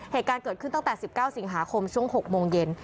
เหตุการณ์เกิดขึ้นตั้งแต่๑๙สิงหาคมช่วง๖โมงเย็น